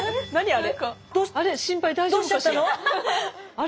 あれ？